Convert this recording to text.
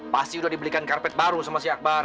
pasti udah dibelikan karpet baru sama si akbar